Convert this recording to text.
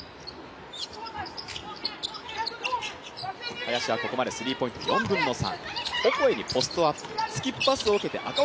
林はここまでスリーポイントシュート４分の３。